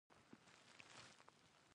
موږ هڅه کوو چې لېک کومو ته ټېلیفون وکړو.